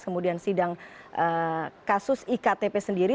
kemudian sidang kasus iktp sendiri